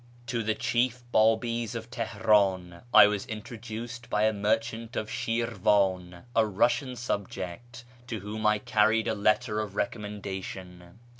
To the chief Bdbi's of Teheran I was introduced by a merchant of Shirvan (a Kussian subject), to whom I carried a letter of recommendation.